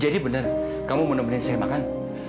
jadi benar kamu mau nemenin saya makan